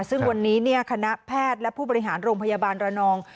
ซึ่งวันนี้คณะแพทย์และผู้บริหารโรงพยาบาลระนอง